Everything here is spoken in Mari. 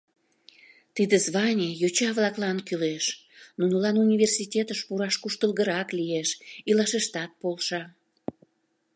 — Тиде званий йоча-влаклан кӱлеш, нунылан университетыш пураш куштылгырак лиеш, илашыштат полша.